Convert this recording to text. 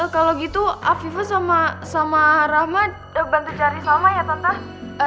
kalau gitu afifah sama rahma bantu cari salma ya tante